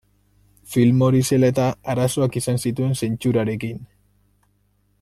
Film hori zela eta, arazoak izan zituen zentsurarekin.